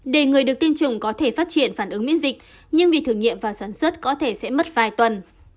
để người được tiêm chủng có thể phát triển phản ứng miễn dịch nhưng việc thử nghiệm và sản xuất có thể sẽ mất vài tuần